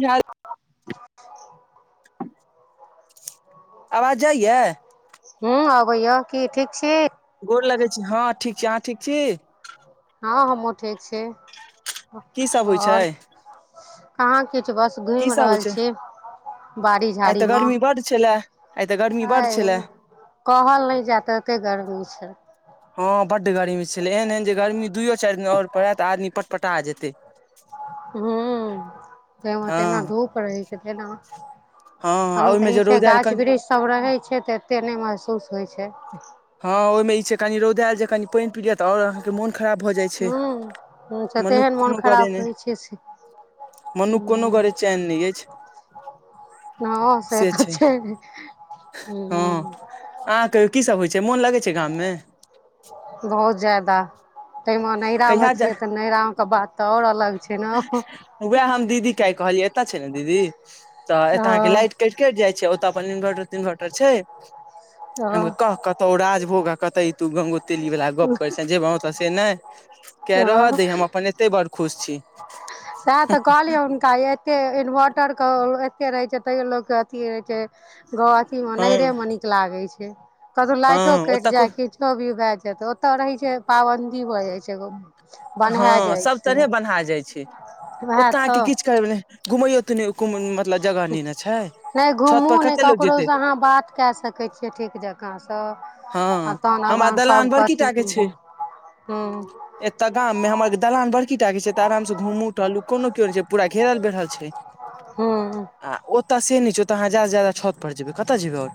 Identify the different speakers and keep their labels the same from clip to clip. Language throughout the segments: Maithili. Speaker 1: य [inaudible]
Speaker 2: [inaudible]
Speaker 1: आवाज जाइयए?
Speaker 2: हू अबैया। की ठीक छी?
Speaker 1: गोर लगै छी। हँ, ठीक छी। अहाँ ठीक छी?
Speaker 2: हँ हमहु ठीक छी।
Speaker 1: की सब होइ छै
Speaker 2: आओर, कहाँ किछु बस
Speaker 1: की
Speaker 2: घुमि
Speaker 1: सब होइ
Speaker 2: रहल
Speaker 1: छै
Speaker 2: छी। बड़ी
Speaker 1: आइ
Speaker 2: झाड़ी
Speaker 1: तऽ
Speaker 2: मे
Speaker 1: गर्मी बड्ड छलए आइ तऽ गर्मी बड्ड
Speaker 2: हाय
Speaker 1: छलए
Speaker 2: कहल नहि जेए तते गर्मी छैय।
Speaker 1: हँ बड्ड गर्मी छलै एहन- एहन जे गर्मी दुइयो चारि दिन आओर पड़ए तऽआदमी पटपटा जेतै।
Speaker 2: हूँ तैमऽ
Speaker 1: हँ
Speaker 2: तहिना धूप रहै छै तहिना
Speaker 1: हँ आ
Speaker 2: तहन तऽ
Speaker 1: ओहिमे जे
Speaker 2: ई छैय
Speaker 1: रौद आयल
Speaker 2: गाछ
Speaker 1: कनि
Speaker 2: वृक्ष सभ रहै छैय तऽ एतेक नहि महसूस होइ छैय।
Speaker 1: हँ ओहिमे ई छैय कनी रौदायल जे कनि पानि पी लिय तऽ आओर। मोन खराब भऽ जाइ छैय,
Speaker 2: हूँ से
Speaker 1: मनुख
Speaker 2: तेहन मोन
Speaker 1: कोनो गऽरे
Speaker 2: खराब
Speaker 1: नहि।
Speaker 2: होइ छै से
Speaker 1: मनुख कोनो गऽरे
Speaker 2: हूँ
Speaker 1: चैन नहि अछि।
Speaker 2: हँ से तऽ छैय हूँ।
Speaker 1: अहाँ कहियौ की सब होइ छैय मोन लगै छैय गाममे।
Speaker 2: बहुत ज्यादा। ताहिमे नैहरा मे
Speaker 1: कहिया जा
Speaker 2: छियै तऽ नैहिरामे के बात तऽ आओर अलग छैय न।
Speaker 1: वएह हम दीदीके आय कहलियै एतय छैय ने दीदी तऽ एतय अहाँके
Speaker 2: हँ
Speaker 1: लाइट कटि-कटि जाइ छैय ओतऽ अपन इन्वर्टर तिन्वर्टर छैय हम
Speaker 2: हँ
Speaker 1: कहलियै कह कतऽ तो राजभोग आ कते तू गंगो तेली वला गप करे छैं जेबाँ से नहि केहे रहऽ
Speaker 2: हँ
Speaker 1: दहि हम अपन एते बड़ खुश छी।
Speaker 2: सएह तऽ कहलियै एते इनवर्टर के एते रहे छैय तैयो लोक के अथी रहे छैय।
Speaker 1: हँ
Speaker 2: नैहरे में निक लागे छैय कतौ लाइटो
Speaker 1: हँ
Speaker 2: कटि
Speaker 1: ओतऽ
Speaker 2: जाय
Speaker 1: खूब
Speaker 2: किछो भी भए जाय तऽ ओतय रहै छैय पाबन्दी भऽ जाइ छैय एगो।
Speaker 1: हँ सब तरहे बन्हा जाइ छैय
Speaker 2: उएह
Speaker 1: ओतऽ अहाँके
Speaker 2: तऽ
Speaker 1: किछु करबै ने घुमैयो तुमैयो मतलब जगह नै न छैय।
Speaker 2: नहि घुमू नहि ककरोसँ अहाँ बात कए सकै छियै ठीक जँकाँसँ।
Speaker 1: हँ
Speaker 2: आ तहन
Speaker 1: हमरा
Speaker 2: अपन
Speaker 1: दलान
Speaker 2: सभ
Speaker 1: बड़की
Speaker 2: कहथि
Speaker 1: टा
Speaker 2: की हूँ।
Speaker 1: तऽ गांममे हमर सभके दलान बड़की टाके छैय तऽ आरामसँ घुमु टहलु कोनो कियो नै छैय पूरा घेरल बेहरल छैय।
Speaker 2: हु - हु।
Speaker 1: आ ओत से नै छै ओतऽ अहाँ जादा स जादा छत पर जेबै, कतअ जेबै और।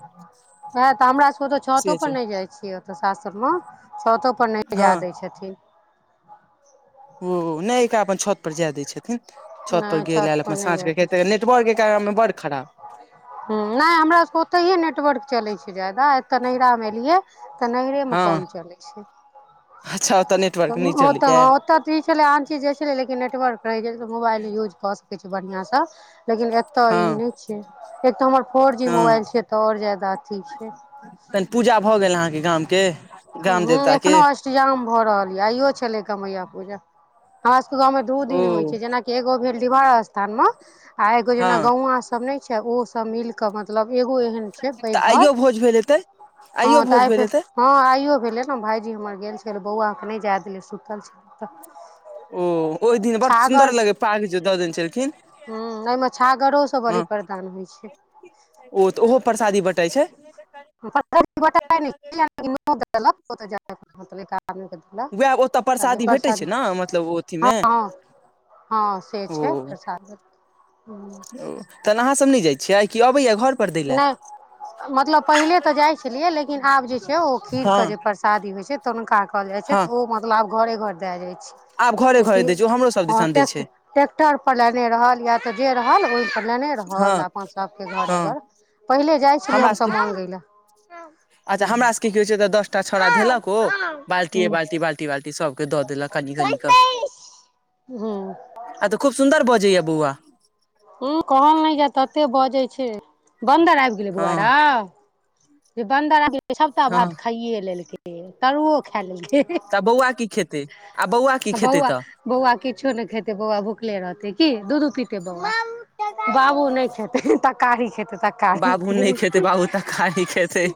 Speaker 2: वेहऽ तऽ हमरा सब के छतो पर नै जै छियै ओतऽ सासुर म छतो पर। पर नै जेए
Speaker 1: हँ
Speaker 2: दै छेथिन।
Speaker 1: ओ नै [unintelligible] छत पर जेए दै छेथिन। छतपर
Speaker 2: नहि
Speaker 1: गेल
Speaker 2: छत
Speaker 1: ऐल
Speaker 2: पर
Speaker 1: अपन
Speaker 2: नहि
Speaker 1: साँझ के [unintelligible] नेटवर्क के कारन बड खराब।
Speaker 2: हु नै हमरा सब के ओतैइहे नेटवर्क चले छै जादा एते नैहरा मे एलिये। तऽ नैहरे मे
Speaker 1: हँ
Speaker 2: कम चलै छै,
Speaker 1: अच्छा ओतऽ नेटवर्क
Speaker 2: कहु
Speaker 1: नहि
Speaker 2: ओतऽ
Speaker 1: चलैया
Speaker 2: ह ओतऽ। इ छेलै आन चीज जे छेलै लेकिन नेटवर्क रहै छै, मोबाइल यूज कऽ सकै छि बढ़िया स। लेकिन एतअ इ
Speaker 1: हँ
Speaker 2: नै छै, एक तऽ हमर फोर जी
Speaker 1: हँ
Speaker 2: मोबाइल छै, एतऽ और जैदा अथि छै।
Speaker 1: तहन पूजा भऽ गेल अहाँके गामके।
Speaker 2: हूँ एखनो अष्टीजाम भऽ रहल ये, आइयो छेलै गमैया पूजा। हमरा सभके गाँवमे दू
Speaker 1: ओ
Speaker 2: दिन होइ छै, जेनाकि एगो भेल डीहबार स्थानम। आ एगो जेना
Speaker 1: हँ
Speaker 2: गौआँ सब ने छै, ओ सब मिल क मतलब एगो एहन छै पैघ
Speaker 1: तऽ
Speaker 2: घर
Speaker 1: आइयो भोज भेल हेतै
Speaker 2: ह
Speaker 1: आइयो
Speaker 2: तऽ
Speaker 1: भोज
Speaker 2: आइब
Speaker 1: भेल
Speaker 2: के।
Speaker 1: हेतै
Speaker 2: ह आइयो भेलै न भाइजी हमर गेल छल, बौआके नै जे देलै सुतल छलै तऽ।
Speaker 1: ओ ओहि दिन बड़ सुन्दर
Speaker 2: छागर
Speaker 1: लगे पाग जे द देने छेलखिन।
Speaker 2: हूँ एहिमे छागरो सब बलि प्रदान होइ छै।
Speaker 1: ओ तऽ ओहो परसादी बँटै छै।
Speaker 2: परसादि बटै नैय छै लेकिन नोत देलक ओतऽ जा के खाऊ [unintelligible]
Speaker 1: उएह ओतय
Speaker 2: [unintelligible] आब
Speaker 1: प्रसादी
Speaker 2: एकर
Speaker 1: भेटै छै
Speaker 2: सदी
Speaker 1: ने मतलब ओ अथीमे
Speaker 2: ह - ह। ह से छै प्रसादि।
Speaker 1: ओ तहन अहाँसभ नै जाइ छियैय, कि अबैये घर पर दै ले।
Speaker 2: नहि मतलब पहिले तऽ जै छेलियै, लेकिन आब जे छै ओ खीर
Speaker 1: हँ
Speaker 2: क जे परसादी होइ छै। तनुका कहल जाय छै,
Speaker 1: हँ
Speaker 2: ओ मतलब घरे घर देल जाय
Speaker 1: आब
Speaker 2: छै।
Speaker 1: घरे घरे
Speaker 2: ओतीन
Speaker 1: दै छै ओ हमरो सब
Speaker 2: ह
Speaker 1: दिसन दै छै
Speaker 2: टेक [unintelligible] ट्रैेक्टर पर लेने रहल या तऽ जे रहल ओहि पर लेने
Speaker 1: हँ
Speaker 2: रहल, अपन सभके घरे
Speaker 1: हँ
Speaker 2: घर पहिले जाइ छलियै
Speaker 1: हमरा सभके
Speaker 2: हमसभ मंगई ले।
Speaker 1: अच्छा हमरा सबके की होइ छै तऽ दस टा छौड़ा धेलक ओ, बाल्टीए बाल्टी- बाल्टी - बाल्टी सभ। द देलक कनी - कनी क,
Speaker 2: हूँ
Speaker 1: आब तऽ खूब सुन्दर बजै ये बौआ।
Speaker 2: उ कहल नै जे तते बजै छै, बन्दर ऐब गेलै बौवा
Speaker 1: हँ
Speaker 2: रौ। जे बन्दर आ गेलै सभटा
Speaker 1: हँ
Speaker 2: भात खाइए लेलकै तरुओ खै लेलकै।
Speaker 1: तऽ बौआ की खेतै, आब बौआ की खेतै तऽ।
Speaker 2: बौआ किछो नै खेतै बौआ भुखले रहतै की दूधू पीतै बौआ। बाबू नै खेतै तकारी खेतै तकारी।
Speaker 1: बाबू नहि खेतै बाबू तऽ खाही खेतै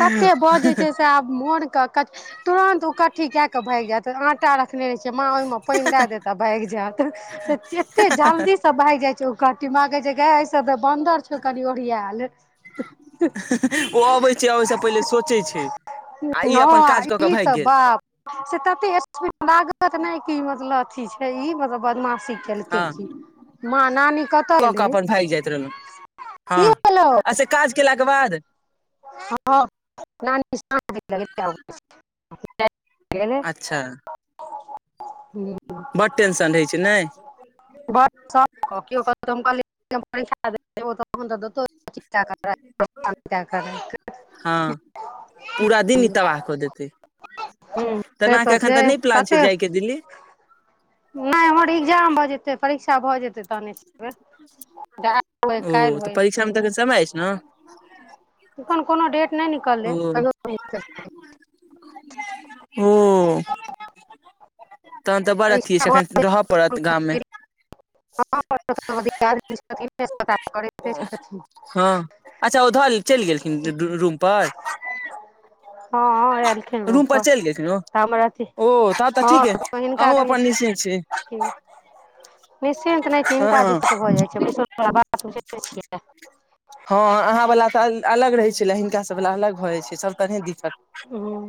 Speaker 2: कते बजे छै से आब मोन क तुरंत‌ उकट्ठी कै के भैग जैत आटा रखने रहे छी। माँ ओय मे पैन दै‌ देत आ भैग जेत एते जल्दी सब भैग जाय छै ओ कहटे मागै ऐय सब बन्दर छौ कनि ओढ़ियेल।
Speaker 1: ओ अबै छै अबै स पहिले सोचैय छै, आ इ अपन काज
Speaker 2: हँ
Speaker 1: कऽ क
Speaker 2: ई
Speaker 1: भेग
Speaker 2: तऽ
Speaker 1: गेल।
Speaker 2: बाप से तते स्पीड लागत नै की मतलब अथी छै इ मतलब बदमाशी। केलके
Speaker 1: हँ
Speaker 2: की मां नानी कतऽ गेलै।
Speaker 1: ह आ से काज केला के बाद।
Speaker 2: ह नानी
Speaker 1: अच्छा
Speaker 2: [unintelligible] [unintelligible]
Speaker 1: बड टेंशन रहै छै नै?
Speaker 2: [inaudible] बड सप केओ कहतौ हम कहलियै [unintelligible] हम ठार [unintelligible] देतौ चिन्ता कर [inaudible]
Speaker 1: हँ, पूरा दिन ई तबाह कऽ देतै।
Speaker 2: हूँ से
Speaker 1: तेनाके एखन
Speaker 2: छै
Speaker 1: तऽ नहि प्लान
Speaker 2: तते
Speaker 1: छै जायके दिल्ली?
Speaker 2: नहि हमर एग्जाम भऽ जेतै, परीक्षा भऽ जेतै तहने
Speaker 1: ओ
Speaker 2: [inaudible] काल्हि
Speaker 1: तऽ
Speaker 2: होइ स्थ
Speaker 1: परीक्षामे तऽ
Speaker 2: सेहो।
Speaker 1: एखन समय अछि ने
Speaker 2: कोनो डेट नहि निकललै
Speaker 1: हम्म,
Speaker 2: कहियो नहि निकलि सकैए
Speaker 1: हम्मऽ। तहन तऽ बड़ अथी
Speaker 2: परीक्षा
Speaker 1: छै, एखैन रहऽ पड़त गाममे।
Speaker 2: हॉं [inaudible] धिकार [inaudible]
Speaker 1: ओ हॅं, अच्छा ओ धऽ चलि गेलखिन रू-रू-रूम पर?
Speaker 2: हँऽ एलखिन रूम पर,
Speaker 1: चलि गेलखिन ओ
Speaker 2: तामर थी
Speaker 1: ओ तब तऽ ठीक अइ
Speaker 2: हँऽ हिनका
Speaker 1: अहूँ
Speaker 2: कनी,
Speaker 1: अपन निश्चिन्त छी
Speaker 2: ह निश्चिंत नहि छी, हिनका
Speaker 1: हँ
Speaker 2: दिक्कत भऽ जाइ छै, [inaudible] बात बुझै नैय छियै?
Speaker 1: हँ अहाँ वला तऽ अल-अलग रहै छलए, हिनका सभ वला अलग भऽ जाइ छै, सभ तरहे दिक्कत
Speaker 2: हूँ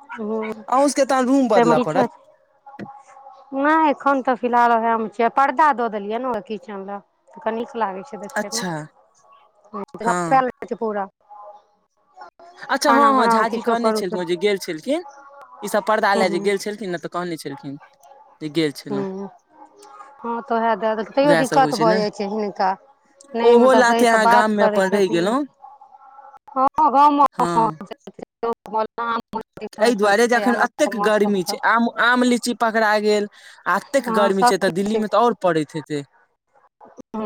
Speaker 2: हूँ
Speaker 1: अहू सबके तऽ रूम
Speaker 2: ताहिमे
Speaker 1: बदलऽ पड़त?
Speaker 2: किचन नहि एखन तऽ फिलहाल ओहै मे छियै, पर्दा दऽ देलियै न अ किचेन लग तऽ नीक लागै छै देखय मे,
Speaker 1: अच्छा
Speaker 2: [inaudible]
Speaker 1: हँ
Speaker 2: रहै छै पूरा।
Speaker 1: अच्छा
Speaker 2: खाना
Speaker 1: हँ-हँ,
Speaker 2: बनाउ
Speaker 1: झाजी
Speaker 2: किछो
Speaker 1: कहने
Speaker 2: करू
Speaker 1: छलखिन
Speaker 2: तऽ
Speaker 1: ओ जे गेल छलखिन, ई सब पर्दा
Speaker 2: हूँ
Speaker 1: लय जे गेल छलखिन ने तऽ कऽहने छलखिन, जे गेल छलहुँ।
Speaker 2: हूँ हूँ हँ तऽ ओहैऽ दए देलकै, तैयो
Speaker 1: उएह सब होइ
Speaker 2: दिक्कत भऽ
Speaker 1: ने
Speaker 2: जाइ छै हिनका। नैय
Speaker 1: ओहो
Speaker 2: मतलब सही
Speaker 1: लाथे
Speaker 2: सँ
Speaker 1: अहाँ
Speaker 2: बात
Speaker 1: गाम मे
Speaker 2: करै
Speaker 1: अपन रहि
Speaker 2: छथिन ने
Speaker 1: गेलहुँ
Speaker 2: हँ ह [inaudible] [inaudible] [inaudible]
Speaker 1: हँ एहि
Speaker 2: एखन
Speaker 1: दुआरे जे
Speaker 2: छै
Speaker 1: अखन
Speaker 2: आम के
Speaker 1: एतेक
Speaker 2: मौसम
Speaker 1: गर्मी
Speaker 2: तऽ।
Speaker 1: छै आम आम लीची पकड़ा गेल, आ एतेक
Speaker 2: हँ
Speaker 1: गर्मी
Speaker 2: सब
Speaker 1: छै तऽ,
Speaker 2: किछ
Speaker 1: दिल्ली में तऽ और पड़ैत हेतै।
Speaker 2: किछो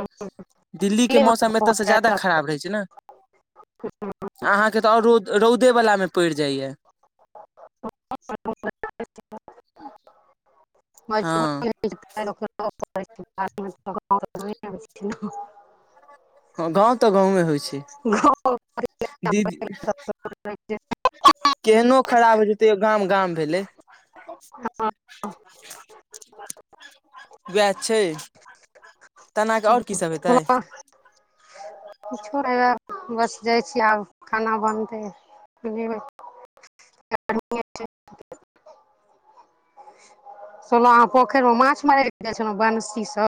Speaker 1: दिल्ली के
Speaker 2: नहि
Speaker 1: मौसम एताऽ से जादा खराब रहै छै ने। अहाँके तऽ और रौ-रौदे वला मे पइर जाइयैऽ। [inaudible]
Speaker 2: [inaudible]
Speaker 1: हँ
Speaker 2: [unintelligible]
Speaker 1: हँ गाँव तऽ गाँवे होइ छै, दीद केहनो खराब होइ छै, तैयो गाम-गाम भेलै। वैह छै। तेना कऽ आओर की सब हेतै
Speaker 2: [unintelligible] किछो नहि वैह बस जाइ छियै, आब खाना बनतै, फेमे [inaudible] सुनलौ अहाँ पोखैर में माछ मारय लै गैल छेलहुँ बंसी स?